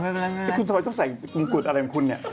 แต่คุณสมัยต้องใส่กรุงกุฎอะไรมันคุณเนี่ย